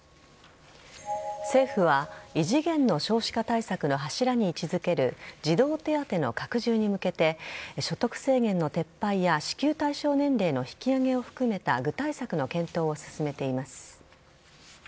政府は異次元の少子化対策の柱に位置付ける児童手当の拡充に向けて所得制限の撤廃や支給対象年齢の引き上げを含めた具体策の検討を進めています。